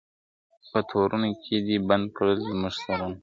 په تورونو کي دي بند کړل زموږ سرونه !.